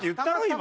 今。